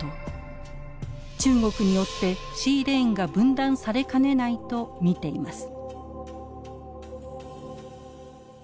中国によってシーレーンが分断されかねないと見ています。